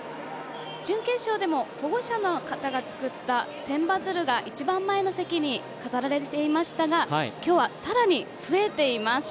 準決勝でも保護者の方が作った千羽鶴が一番前の席に飾られていましたが今日はさらに増えています。